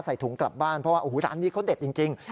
ใส่ถุงกลับบ้านเพราะว่าโอ้โหร้านนี้เขาเด็ดจริง